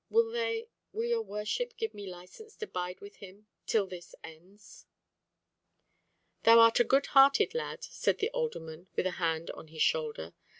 Will they—will your worship give me licence to bide with him till this ends?" "Thou art a good hearted lad," said the alderman with a hand on his shoulder.